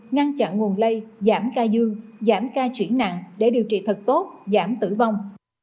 ngăn chặn nguồn lây giảm ca dương giảm ca chuyển nặng để điều trị thật tốt giảm tử vong